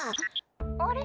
「あれ？